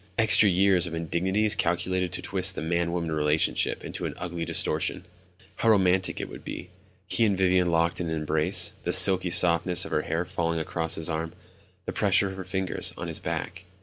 Extra years of indignities calculated to twist the man woman relationship into an ugly distortion. How romantic it would be, he and Vivian locked in an embrace, the silky softness of her hair falling across his arm, the pressure of her fingers on his back.